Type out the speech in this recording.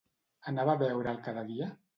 Anava a veure'l cada dia?